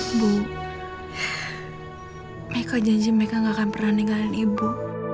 ibu meka janji meka gak akan pernah tinggalin ibu